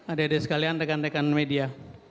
ada ada sekalian rekan rekan media